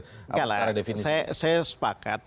apa secara definisi gak lah saya sepakat